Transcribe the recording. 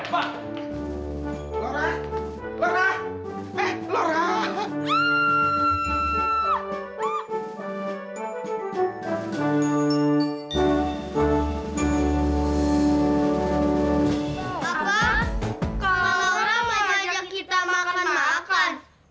pak kalau laura mau ajak kita makan makan